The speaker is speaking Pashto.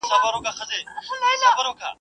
ادبي ابتکار د قبايلي جوړښت محدود دی.